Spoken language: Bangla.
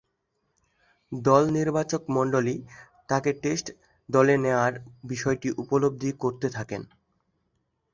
দল নির্বাচকমণ্ডলী তাকে টেস্ট দলে নেয়ার বিষয়টি উপলব্ধি করতে থাকেন।